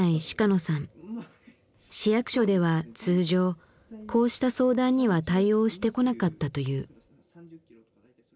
市役所では通常こうした相談には対応してこなかったという。